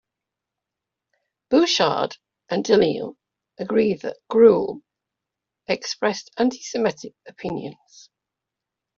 Bouchard and Delisle agree that Groulx expressed antisemitic opinions.